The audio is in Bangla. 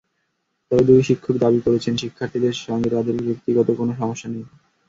তবে দুই শিক্ষক দাবি করেছেন, শিক্ষার্থীদের সঙ্গে তাঁদের ব্যক্তিগত কোনো সমস্যা নেই।